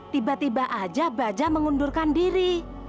tiba tiba aja baja mengundurkan diri